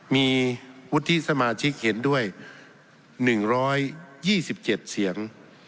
มีวุฒิสมาชิกเห็นด้วย๑๒๗เสียง